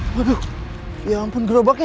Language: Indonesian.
waduh ya ampun kerobaknya